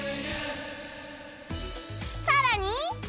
さらに